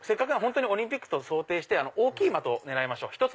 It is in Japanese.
本当にオリンピックと想定して大きい的を狙いましょう。